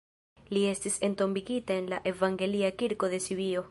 Li estis entombigita en la evangelia kirko de Sibio.